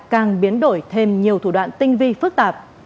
càng biến đổi thêm nhiều thủ đoạn tinh vi phức tạp